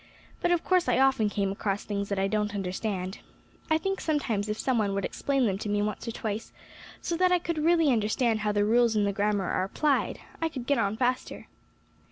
But of course I often come across things that I don't understand. I think sometimes if some one would explain them to me once or twice, so that I could really understand how the rules in the Grammar are applied, I could get on faster."